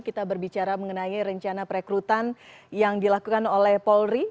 kita berbicara mengenai rencana perekrutan yang dilakukan oleh polri